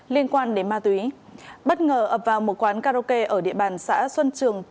liên quan đến ma túy bất ngờ ập vào một quán karaoke ở địa bàn xã xuân trường